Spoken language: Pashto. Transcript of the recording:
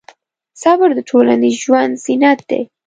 صبر د ټولنیز ژوند زینت دی.